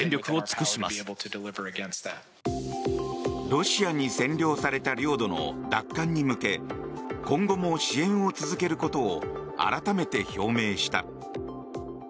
ロシアに占領された領土の奪還に向け今後も支援を続けることを改めて表明した。